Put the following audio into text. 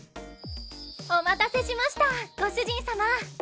お待たせしましたご主人さま。